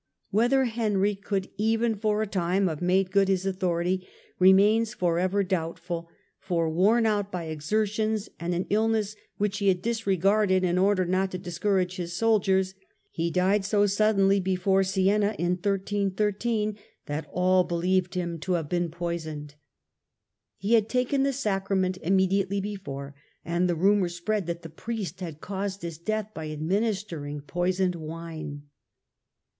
Whether Henry could even for a time have made good his authority re mains for ever doubtful, for worn out by exertions and Death of an illness which he had disregarded in order not to dis viL^^iais courage his soldiers, he died so suddenly before Siena, 48 THE END OF THE MIDDLE AGE that all believed him to have been poisoned. He had taken the Sacrament immediately before, and the ru mour spread that the Priest had caused his death by administering poisoned wine.